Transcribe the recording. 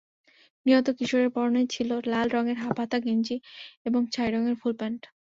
নিহত কিশোরের পরনে ছিল লাল রঙের হাফহাতা গেঞ্জি এবং ছাই রঙের ফুলপ্যান্ট।